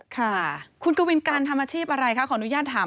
ค่ะคุณกวินการทำอาชีพอะไรคะขออนุญาตถาม